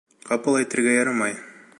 Ҡапыл әйтергә ярамай.